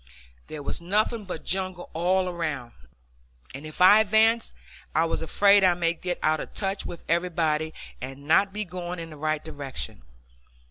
There was nothing but jungle all around, and if I advanced I was afraid I might get out of touch with everybody and not be going in the right direction.